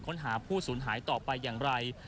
ค้นหาผู้สูญหายต่อไปอย่างไร